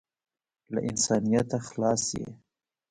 له انسانیته خلاص یې .